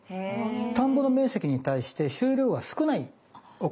田んぼの面積に対して収量が少ないお米なんですね。